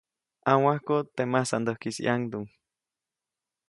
ʼNawajkuʼt teʼ masandäjkis ʼyaŋduŋ.